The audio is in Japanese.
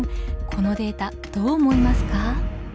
このデータどう思いますか？